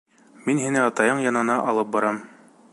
— Мин һине атайың янына алып барам.